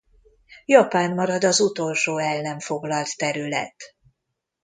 Japán marad az utolsó el nem foglalt terület.